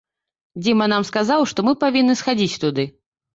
Дзіма нам сказаў, што мы павінны схадзіць туды.